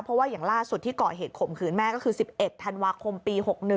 เพราะว่าอย่างล่าสุดที่ก่อเหตุข่มขืนแม่ก็คือ๑๑ธันวาคมปี๖๑